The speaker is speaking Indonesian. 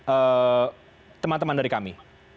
eh teman teman dari kami